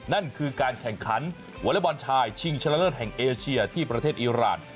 นั่นคือการแข่งขันวอเล็กบอลชายชิงชนะเลิศแห่งเอเชียที่ประเทศอิราณ